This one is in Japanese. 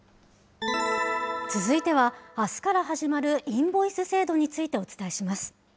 続いてはあすから始まるインボイス制度についてお伝えします。